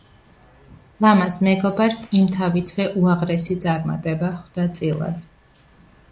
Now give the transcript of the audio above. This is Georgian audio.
ლამაზ მეგობარს იმთავითვე უაღრესი წარმატება ხვდა წილად.